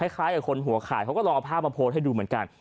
คล้ายกับคนหัวข่ายเขาก็ลองเอาภาพมาโพสต์ให้ดูเหมือนกัน